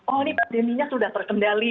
oh ini pandeminya sudah terkendali